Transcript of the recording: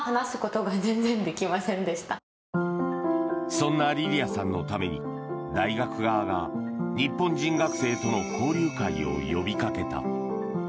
そんなリリアさんのために大学側が日本人学生との交流会を呼びかけた。